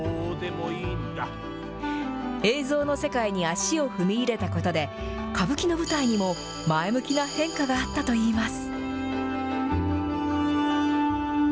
映像の世界に足を踏み入れたことで、歌舞伎の舞台にも前向きな変化があったといいます。